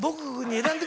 選んで。